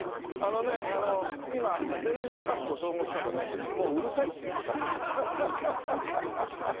あのね今全員のスタッフを総合したらねもううるさいって言ってた。